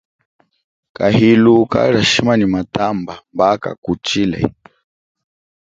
Kahilu kalia shima nyi matamba mba kakutshile.